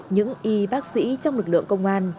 những y bác sĩ trong lực lượng công an